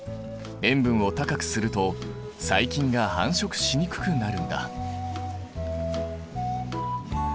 塩分を高くすると細菌が繁殖しにくくなるんだ。